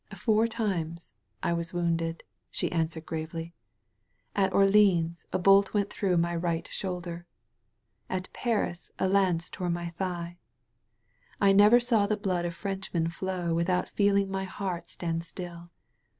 "Four times I was wounded," she answered gravely. "At Orl&ms a bolt went through my right 128 THE MAID OF FRANCE shoulder. At Paris a lance tore my thigh. I never saw the blood of Frenchmen flow without feeling my heart stand still.